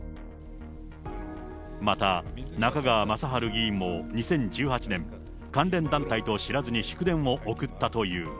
また、中川正春議員も２０１８年、関連団体と知らずに祝電を送ったという。